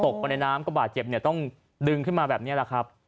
ไปในน้ำก็บาดเจ็บเนี่ยต้องดึงขึ้นมาแบบนี้แหละครับ